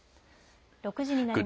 ６時になりました。